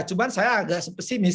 cuma saya agak spesifik